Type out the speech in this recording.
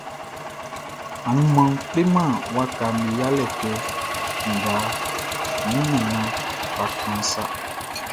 Anumanʼn kleman wakaʼm be yalɛ kɛ nga min nannanʼn fa kanʼn sa.